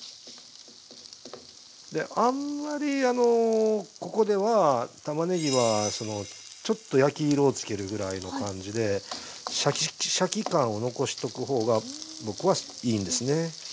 であんまりここではたまねぎはちょっと焼き色を付けるぐらいの感じでシャキシャキ感を残しとく方が僕はいいんですね。